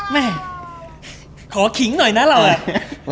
แม่ขอขิงหน่อยนะเราอ่ะ